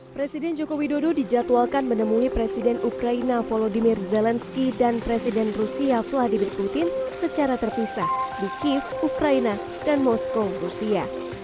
presiden joko widodo dijadwalkan menemui presiden ukraina volodymyr zelensky dan presiden rusia vladimir putin secara terpisah di kiev ukraina dan moskow rusia